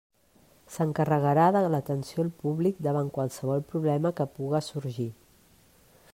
S'encarregarà de l'atenció al públic davant qualsevol problema que puga sorgir.